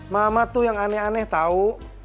mama tuh yang aneh aneh tahu